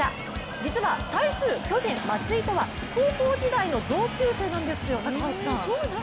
実は対する巨人・松井とは高校時代の同級生なんですよ、高橋さん。